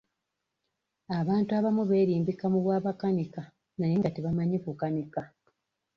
Abantu abamu beerimbika mu bwa makanika naye nga tebamanyi kukanika.